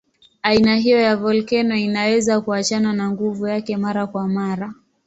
Aina hiyo ya volkeno inaweza kuachana na nguvu yake mara kwa mara.